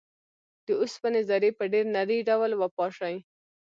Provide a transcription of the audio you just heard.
د اوسپنې ذرې په ډیر نري ډول وپاشئ.